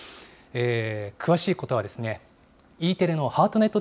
詳しいことはＥテレのハートネット